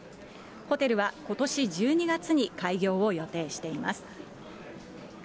ホテルは、ことし１２月に開業を予定しています。